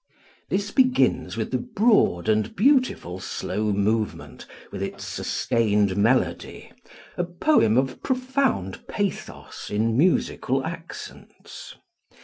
This begins with the broad and beautiful slow movement, with its sustained melody, a poem of profound pathos in musical accents.